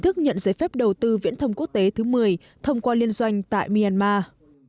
thức nhận giấy phép đầu tư viễn thông quốc tế thứ một mươi thông qua liên doanh tại myanmar